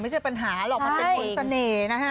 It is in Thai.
ไม่ใช่ปัญหาหรอกมันเป็นคนเสน่ห์นะฮะ